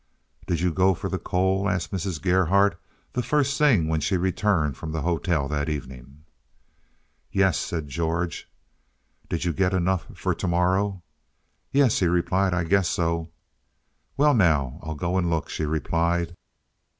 "Did you go for the coal?" asked Mrs. Gerhardt the first thing when she returned from the hotel that evening. "Yes," said George. "Did you get enough for to morrow?" "Yes," he replied, "I guess so." "Well, now, I'll go and look," she replied.